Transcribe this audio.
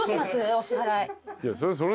お支払い。